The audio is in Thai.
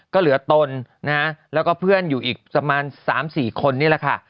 ก็เหลือตนแล้วก็เพื่อนอยู่อีกสามสี่คนนี้แล้วค่ะ